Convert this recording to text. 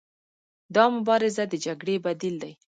دا مبارزه د جګړې بدیل دی.